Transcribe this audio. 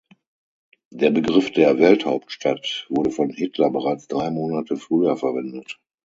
Der Begriff der „Welthauptstadt“ wurde von Hitler bereits drei Monate früher verwendet.